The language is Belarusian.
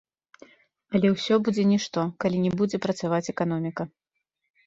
Але ўсё будзе нішто, калі не будзе працаваць эканоміка.